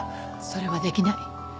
それはできない。